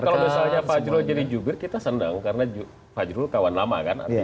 tapi kalau misalnya fajrul jadi jugur kita sendang karena fajrul kawan lama kan